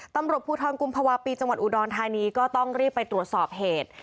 ตำรวจภูทรกุมภาวะปีจังหวัดอุดรธานีก็ต้องรีบไปตรวจสอบเหตุ